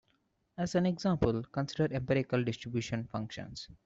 As an example, consider empirical distribution functions.